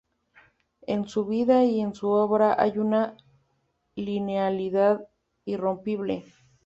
En su vida y en su obra hay una linealidad irrompible.